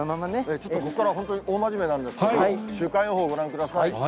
ちょっとここからは本当に大真面目なんですけど、週間予報をご覧ください。